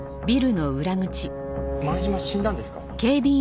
前島死んだんですか？